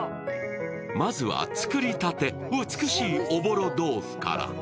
まずは作りたて、美しいおぼろ豆腐から。